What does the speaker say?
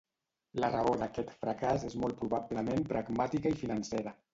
La raó d'aquest fracàs és molt probablement pragmàtica i financera.